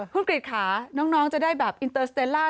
คุณกริจค่ะน้องจะได้แบบอินเตอร์สเตรล่า